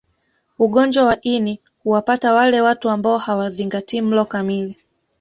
Ugonjwa wa ini huwapata wale watu ambao hawazingatii mlo kamili